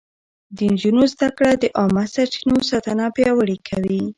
د نجونو زده کړه د عامه سرچينو ساتنه پياوړې کوي.